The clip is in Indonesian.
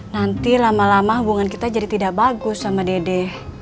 nanti lama lama hubungan kita jadi tidak bagus sama dede